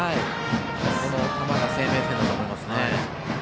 その球が生命線だと思います。